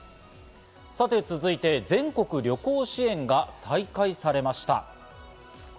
続いて、全国旅行支援が再開されました。